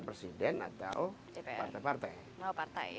presiden atau partai partai